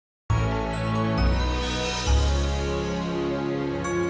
sudahkan gimana jika kami harus ngapain ini babe